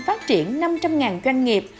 phát triển năm trăm linh doanh nghiệp